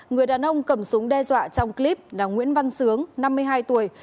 người đàn ông cầm súng đe dọa trong clip là nguyễn văn sướng năm mươi hai tuổi